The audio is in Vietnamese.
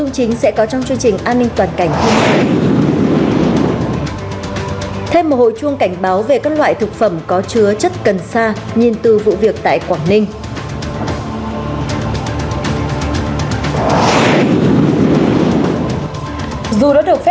các bạn hãy đăng ký kênh để ủng hộ kênh của chúng mình nhé